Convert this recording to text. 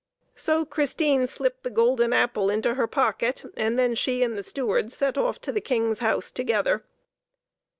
So Christine slipped the golden apple into her pocket, and then she and the steward set off to the King's house together.